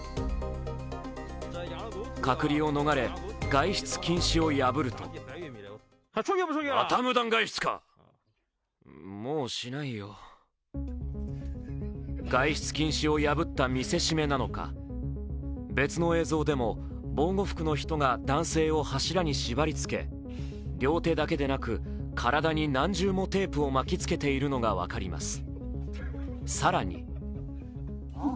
隔離を逃れ、外出禁止を破ると外出禁止を破った見せしめなのか別の映像でも、防護服の人が男性を柱に縛りつけ両手だけでなく体に何重もテープを巻き付けているのが分かります。